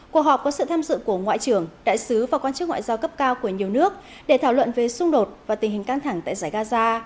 cuộc họp có sự tham dự của ngoại trưởng đại sứ và quan chức ngoại giao cấp cao của nhiều nước để thảo luận về xung đột và tình hình căng thẳng tại giải gaza